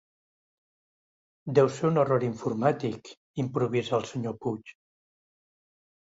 Deu ser un error informàtic —improvisa el senyor Puig.